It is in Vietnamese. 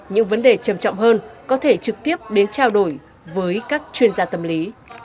những vấn đề trầm trọng hơn có thể trực tiếp đến trao đổi với các chuyên gia tâm lý